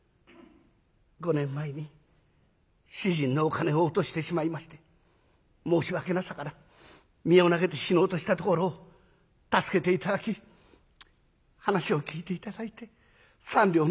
５年前に主人のお金を落としてしまいまして申し訳なさから身を投げて死のうとしたところを助けて頂き話を聞いて頂いて３両のお金まで恵んで頂きました。